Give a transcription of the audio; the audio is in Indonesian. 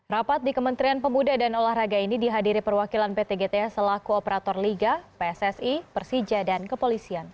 rapat di kementerian pemuda dan olahraga ini dihadiri perwakilan pt gta selaku operator liga pssi persija dan kepolisian